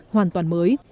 hoàn toàn mới